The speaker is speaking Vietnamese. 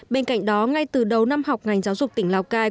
bên cạnh đó ngay từ đầu năm học ngành giáo dục tỉnh lào cai